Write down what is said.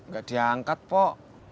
gak diangkat pok